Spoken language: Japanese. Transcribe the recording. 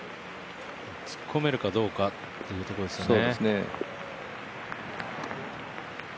突っ込めるかどうかというところですね。